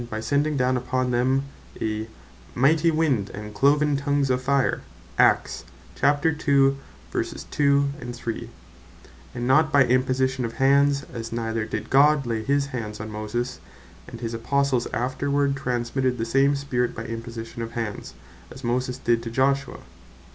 by sending down upon them, a "mighty wind, and Cloven tongues of fire;" and not by Imposition of hands; as neither did God lay his hands on Moses; and his Apostles afterward, transmitted the same Spirit by Imposition of hands, as Moses did to Joshua.